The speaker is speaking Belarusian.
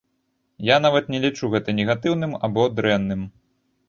Я нават не лічу гэта негатыўным або дрэнным.